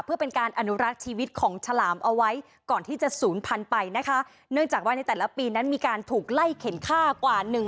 เพื่อเป็นการอนุรักษ์ชีวิตของฉลามเอาไว้ก่อนที่จะศูนย์พันธุ์ไปนะคะเนื่องจากว่าในแต่ละปีนั้นมีการถูกไล่เข็นค่ากว่าหนึ่ง